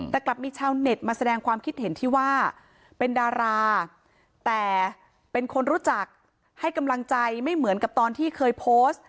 แต่กลับมีชาวเน็ตมาแสดงความคิดเห็นที่ว่าเป็นดาราแต่เป็นคนรู้จักให้กำลังใจไม่เหมือนกับตอนที่เคยโพสต์